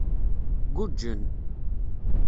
Guǧǧen.